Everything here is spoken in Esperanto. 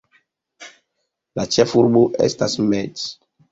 La ĉefurbo estas Metz.